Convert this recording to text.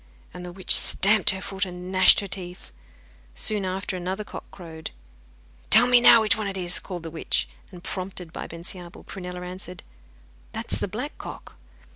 And the witch stamped her foot and gnashed her teeth. Soon after another cock crowed. 'Tell me now which one it is,' called the witch. And, prompted by Bensiabel, Prunella answered: 'That is the black cock.